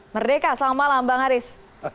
merdeka selamat malam bang haris